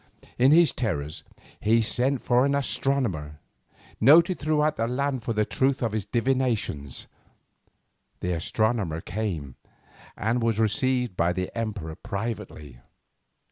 In his terror he sent for an astronomer, noted throughout the land for the truth of his divinations. The astronomer came, and was received by the emperor privately.